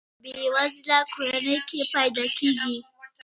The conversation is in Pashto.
یا په بې وزله کورنۍ کې پیدا کیږي.